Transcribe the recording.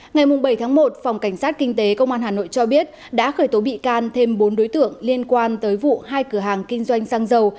ngày bảy tháng một phòng cảnh sát kinh tế công an hà nội cho biết đã khởi tố bị can thêm bốn đối tượng liên quan tới vụ hai cửa hàng kinh doanh xăng dầu